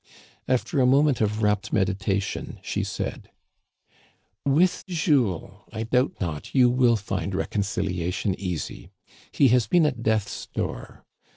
After a moment of rapt meditation, she said :" With Jules, I doubt not, you will find reconciliation easy. He has been at death's door.